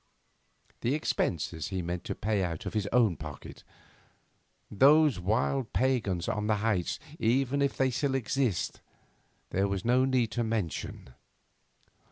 The expenses he meant to pay out of his own pocket. Those wild pagans on the heights even if they still existed there was no need to mention.